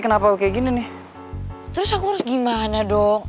kenapa aku kayak gini nih terus aku harus gimana dong